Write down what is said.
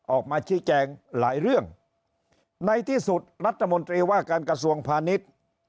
ออกมาชี้แจงหลายเรื่องในที่สุดรัฐมนตรีว่าการกระทรวงพาณิชย์